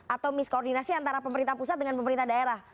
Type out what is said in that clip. atau miskoordinasi antara pemerintah pusat dengan pemerintah daerah